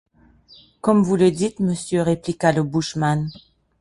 Comme vous le dites, monsieur, répliqua le bushman.